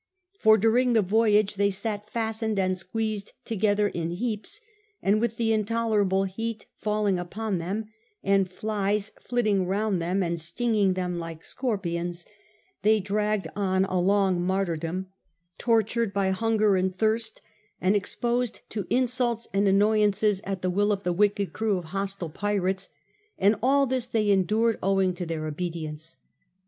For during the voyage they sat fastened and squeezed together in heaps, and with the intolerable heat falling upon them, and flies flitting round them and stinging them like scorpions, they 198 STUPOR MUNDI dragged on a long martyrdom, tortured by hunger and thirst, and exposed to insults and annoyances at the will of the wicked crew of hostile pirates ; and all this they endured owing to their obedience.